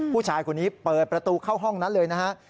ผู้ชายคนนี้เปิดประตูเข้าห้องนั้นเลยนะฮะ